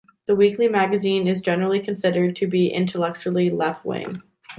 The weekly magazine is generally considered to be intellectually left-wing.